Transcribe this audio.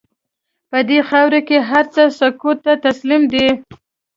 په خاوره کې هر څه سکوت ته تسلیم دي.